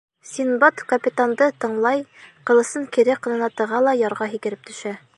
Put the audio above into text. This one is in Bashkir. Синдбад капитанды тыңлай, ҡылысын кире ҡынына тыға ла ярға һикереп төшә.